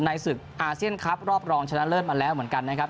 ศึกอาเซียนครับรอบรองชนะเลิศมาแล้วเหมือนกันนะครับ